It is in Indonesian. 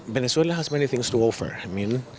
venezuela memiliki banyak hal yang harus diberikan